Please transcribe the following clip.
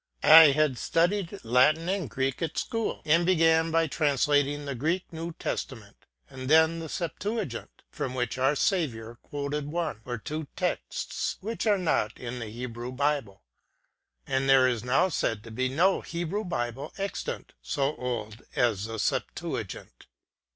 I had studied Latin and Greek at school, and began by translating the Greek New Testament, and then the Septuagint, from which our Saviour quoted one or two texts which are not in the Hebrew Bible, and there is now said to be no Hebrew Bible extant so old as the Septuagint.